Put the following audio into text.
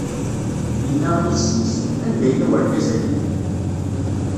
Inna i yessi-s: Anda yella urgaz-agi?